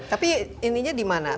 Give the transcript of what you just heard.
tapi ininya dimana